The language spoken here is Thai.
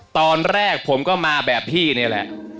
ตอนแรกผมก็มาแบบพี่นี่แหละ